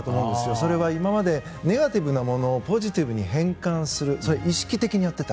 それは今までネガティブなものをポジティブに変換するそれを意識的にやっていた。